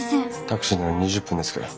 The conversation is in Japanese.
タクシーなら２０分で着く。